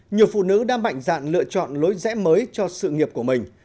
nhiều phụ nữ đang mạnh dạn lựa chọn lối rẽ mới cho sự nghiệp của mình